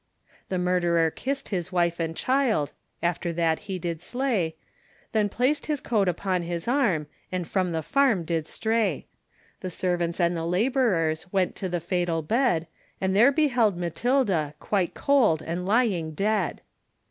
The murderer kissed his wife and child, After that he did slay, Then placed his coat upon his arm, And from the farm did stray; The servants and the labourers, Went to the fatal bed, And there beheld Matilda Quite cold, and lying dead.